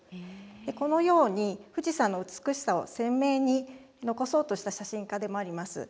このように、富士山の美しさを鮮明に残そうとした写真家でもあります。